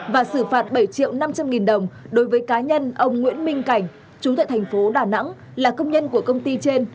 và xử phạt bảy triệu năm trăm linh nghìn đồng đối với cá nhân ông nguyễn minh cảnh chú tại thành phố đà nẵng là công nhân của công ty trên